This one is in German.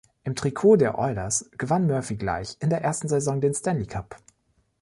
Im Trikot der Oilers gewann Murphy gleich in der ersten Saison den Stanley Cup.